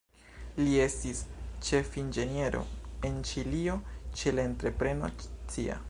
Li estis ĉefinĝeniero en Ĉilio ĉe la entrepreno Cia.